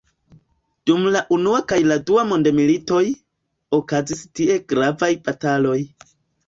Dum la unua kaj dua mondmilitoj, okazis tie gravaj bataloj.